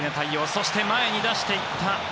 そして、前に出していった。